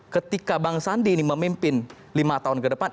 ketika bang sandi ini memimpin lima tahun ke depan